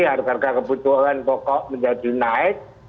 harga harga kebutuhan pokok menjadi naik